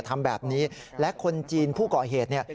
ทำแบบนี้และคนจีนผู้เกาะเหตุ